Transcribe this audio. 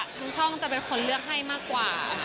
ช่องจะเป็นคนเลือกให้มากกว่า